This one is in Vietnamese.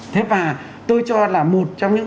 thế và tôi cho là một trong những